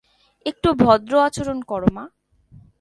একটু ভদ্র আচরণ করো, মা!